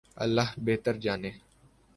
اللہ بہتر جانے۔